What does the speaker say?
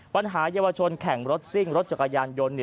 ปัญหาเยาวชนแข่งรถซิ่งรถจักรยานยนต์